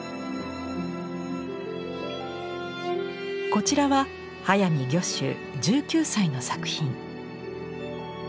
こちらは速水御舟１９歳の作品。